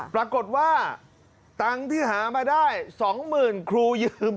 ปรากฏว่าตังค์ที่หามาได้๒๐๐๐ครูยืม